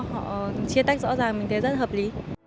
họ chia tách rõ ràng mình thấy rất hợp lý